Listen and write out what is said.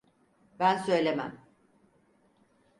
Ben söylemem.